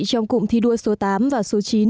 trong cụm thi đua số tám và số chín